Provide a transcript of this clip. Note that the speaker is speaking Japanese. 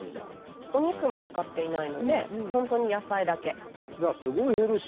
お肉も使っていないので本当に野菜だけ。